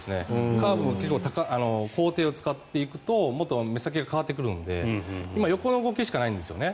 カーブも高低を使っていくと目先が変わってくるので今、横の動きしかないんですね